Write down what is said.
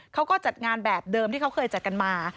เขาก็จัดงานแบบเดิมที่เขาเคยจัดกันมา